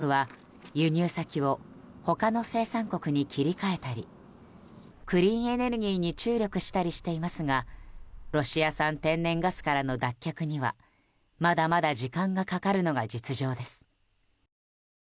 ＥＵ各国は、輸入先を他の生産国に切り替えたりクリーンエネルギーに注力したりしていますがロシア産天然ガスからの脱却にはまだまだ時間がかかるのが実情です。